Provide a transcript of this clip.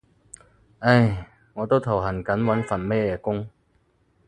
唉，我都頭痕緊揾份乜嘢工